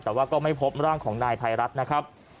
แต่ว่าก็ไม่พบร่างของนายภัยรัฐนะครับ